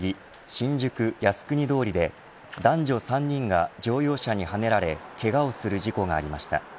新宿・靖国通りで男女３人が乗用車にはねられけがをする事故がありました。